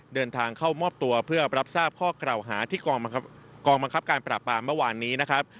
เดินทางเข้ามอบตัวเพื่อรับทราบข้อกล่าวหาที่กองบังคับการปราบปรามเมื่อวานนี้นะครับ